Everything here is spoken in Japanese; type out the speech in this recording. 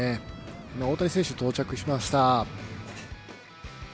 今、大谷選手、到着しました。